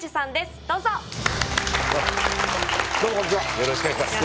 よろしくお願いします。